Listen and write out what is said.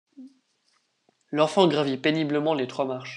L’enfant gravit péniblement les trois marches.